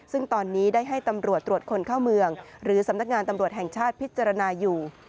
ซึ่งตอนนี้ได้ให้ตำรวจตรวจคนเข้าเมืองหรือสำนักงานตำรวจแห่งชาติพิจารณาอยู่